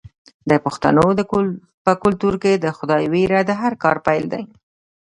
د پښتنو په کلتور کې د خدای ویره د هر کار پیل دی.